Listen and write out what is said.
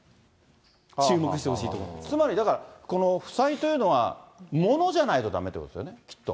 つまりだから、この負債というのは、ものじゃないとだめってことですよね、きっと。